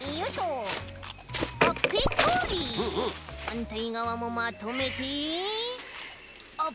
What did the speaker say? はんたいがわもまとめてあ